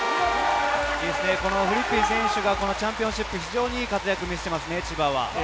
フリッピン選手がチャンピオンシップ、いい活躍を見せていますね、千葉は。